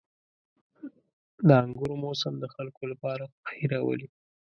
• د انګورو موسم د خلکو لپاره خوښي راولي.